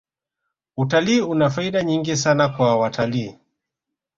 utalii una faida nyingi sana kwa watalii